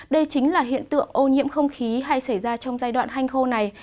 đây chính là hiện tượng ô nhiễm không khí hay xảy ra trong giai đoạn hanh khô này